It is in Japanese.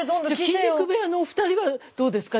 筋肉部屋のお二人はどうですか？